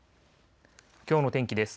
きょうの天気です。